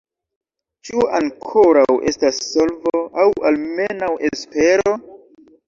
Ĉu ankoraŭ estas solvo, aŭ almenaŭ espero?